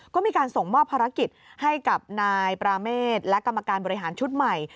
ก็มีการส่งมอบภารกิจให้กับนายปราเมฆและกรรมการบริหารชุดใหม่